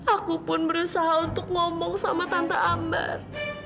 aku pun berusaha untuk ngomong sama tante ambar